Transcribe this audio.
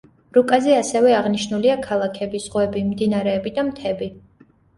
რუკაზე ასევე აღნიშნულია ქალაქები, ზღვები, მდინარეები და მთები.